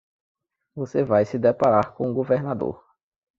Você vai se deparar com o governador.